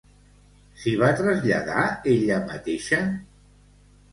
S'hi va traslladar ella mateixa?